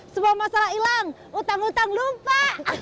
semua masalah hilang utang utang lupa